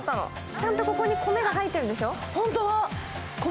ちゃんとここに「米」が入ってるでしょ？